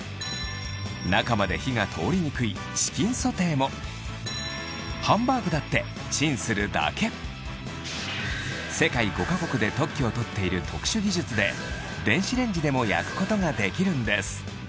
中まで火が通りにくいハンバーグだってチンするだけを取っている特殊技術で電子レンジでも焼くことができるんです